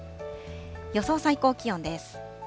予想最高気温です。